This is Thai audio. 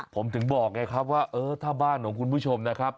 ผมถึงบอกไงครับว่าเออถ้าบ้านของคุณผู้ชมนะครับ